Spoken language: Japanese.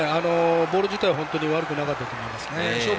ボール自体は本当によかったと思います。